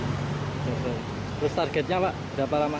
terus targetnya berapa lama